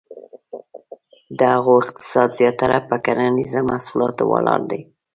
د هغو اقتصاد زیاتره په کرنیزه محصولاتو ولاړ دی.